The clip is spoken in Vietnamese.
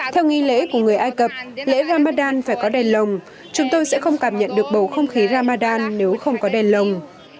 theo nghi lễ của người ai cập lễ ramadan phải có đèn lồng chúng tôi sẽ không cảm nhận được bầu không khí ramadan nếu không có đèn lồng